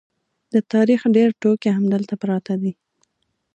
د تاریخ ډېر توکي همدلته پراته دي.